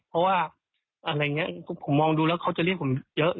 เพราะว่าผมมองเขาก็จะเรียกผมเยอะ